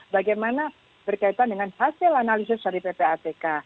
bagaimana berkaitan dengan hasil analisis dari ppatk